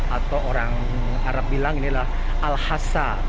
atau orang arab bilang inilah al hasa